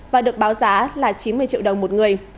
và được báo giá là chín mươi triệu đồng một người